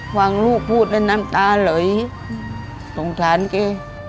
ฟังลูกพูดแล้วหนังตาร่อยทรงสารเก้